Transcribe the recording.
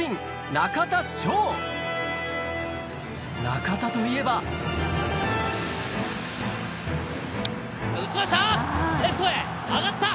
中田といえば打ちました！